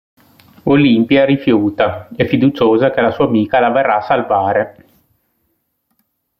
Olimpia rifiuta, è fiduciosa che la sua amica la verrà a salvare.